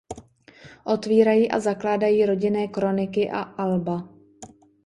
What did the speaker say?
Otvírají a zakládají rodinné kroniky a alba.